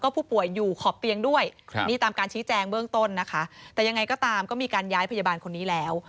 ปกติพยาบาลไปตามก็มีการย้ายพยาบาลคนนี้แล้ว